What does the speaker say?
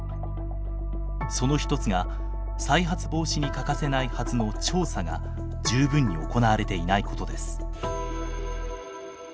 その一つが再発防止に欠かせないはずの調査が十分に行われていないことです。